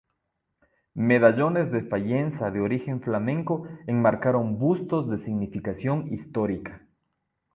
Medallones de fayenza de origen flamenco enmarcan bustos de significación histórica.